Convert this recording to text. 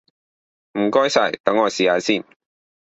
唔該晒，等我試下先！